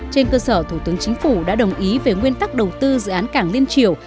trên cơ sở thủ tướng chính phủ đã đồng ý về nguyên tắc đầu tư dự án cảng liên triều